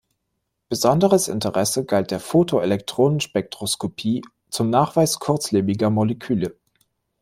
Besonderes Interesse galt der Photoelektronenspektroskopie zum Nachweis kurzlebiger Moleküle.